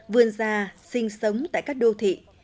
vươn ra sinh sống tại các đô thị